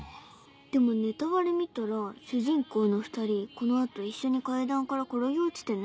でもネタバレ見たら主人公の２人この後一緒に階段から転げ落ちてね。